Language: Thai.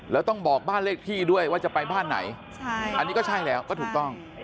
แล้วต้องบอกบ้านเลขที่ด้วยว่าจะไปบ้านไหนอันนี้ก็ใช่แล้วก็ถูกต้อง